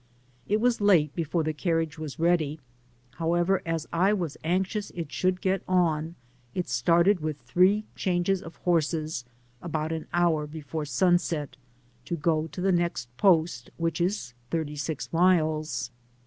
It was late before the carriage was ready ; however as I was anxious it should get on, it started with three changes of horses, about an hour before sunset, to go to the next post, which is thirty six miles.